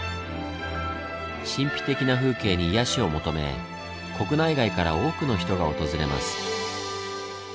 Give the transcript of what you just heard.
神秘的な風景に癒やしを求め国内外から多くの人が訪れます。